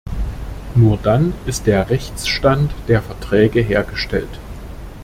Nur dann ist der Rechtsstand der Verträge hergestellt.